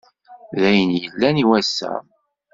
D ayen i yellan i wass-a.